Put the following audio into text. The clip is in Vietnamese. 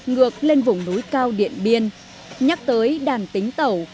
ngược lên vùng núi cao điện biên nhắc tới đàn tính tẩu